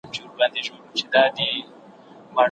د جرګې د ټولو غړو نوملړ څوک برابروي؟